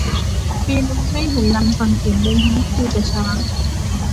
ปีนี้ไม่เห็นลานฝั่งสิงห์เลยแฮะ มีแต่ช้าง